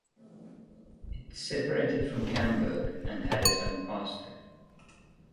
It separated from Camberg and had its own pastor.